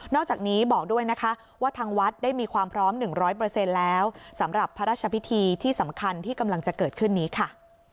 อกจากนี้บอกด้วยนะคะว่าทางวัดได้มีความพร้อม๑๐๐แล้วสำหรับพระราชพิธีที่สำคัญที่กำลังจะเกิดขึ้นนี้ค่ะ